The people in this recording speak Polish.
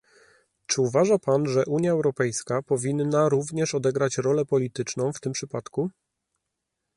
czy uważa pan, że Unia Europejska powinna również odegrać rolę polityczną w tym przypadku?